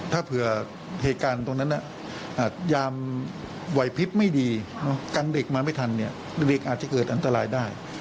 ถ้าเผื่อเหตุการณ์ตรงนั้นยามวัยพิษไม่ดีกันเด็กมาไม่ทันเนี่ยเด็กอาจจะเกิดอันตรายได้